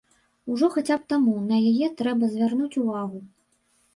Ужо хаця б таму на яе трэба звярнуць увагу.